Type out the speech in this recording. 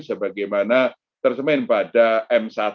sebagaimana tersemen pada m satu